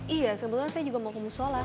iya sebelumnya saya juga mau kemu sholat